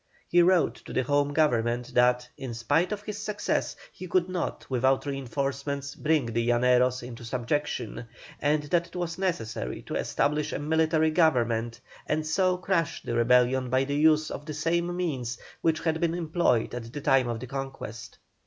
He wrote to the Home Government that, in spite of his success, he could not without reinforcements bring the Llaneros into subjection, and that it was necessary to establish a military government, and so crush rebellion by the use of the same means which had been employed at the time of the conquest.